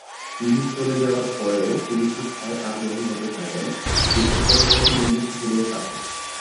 তিনি চলে যাওয়ার পরেও, তিনি শিক্ষায় আগ্রহী হতে থাকেন, বিশেষ করে প্রতিবন্ধী শিশুদের সাথে।